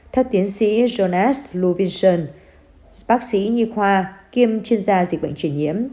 theo tiến sĩ jonas louvinson bác sĩ nhi khoa kiêm chuyên gia dịch bệnh truyền nhiễm